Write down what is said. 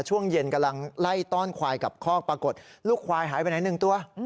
ช่วงเย็นกำลังไล่ต้อนควายกับคอกปรากฏลูกควายหายไปไหนหนึ่งตัว